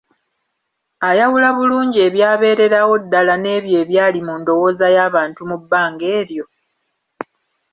Ayawula bulungi ebyabeererawo ddala n'ebyo ebyali mu ndowooza y'abantu mu bbanga eryo?